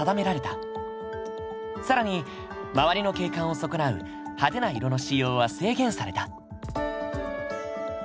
更に周りの景観を損なう派手な色の使用は制限された。